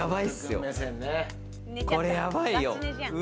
これ、やばいよ。